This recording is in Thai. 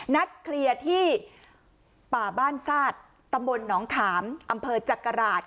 นัดเคลียร์ที่ป่าบ้านซาดตำบลหนองขามอำเภอจักราช